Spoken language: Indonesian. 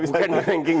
bukan di ranking dua